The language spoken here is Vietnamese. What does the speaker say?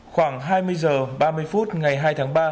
khoảng hai mươi h ba mươi phút ngày hai tháng ba